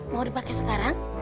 mau dipakai sekarang